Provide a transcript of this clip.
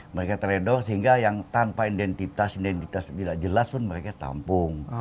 mereka terledor sehingga yang tanpa identitas identitas tidak jelas pun mereka tampung